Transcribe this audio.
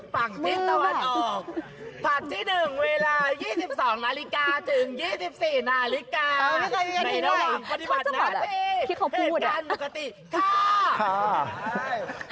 ปั่งทิศสะวัดออกพักที่หนึ่งเวลา๒๒นาฬิกาถึง๒๔นาฬิกาไม่ระหว่างพฤบัตินาฬิกาเหตุการณ์ปกติค่ะ